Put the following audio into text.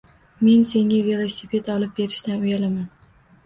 Men senga velosiped olib berishdan uyalaman.